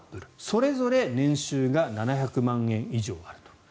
それぞれ年収が７００万円以上あると。